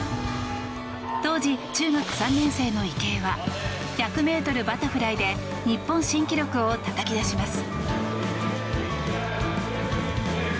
当時、中学３年生の池江は１００ｍバタフライで日本新記録をたたき出します。